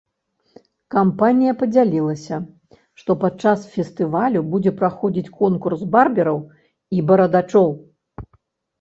Кампанія падзялілася, што падчас фестывалю будзе праходзіць конкурс барбераў і барадачоў.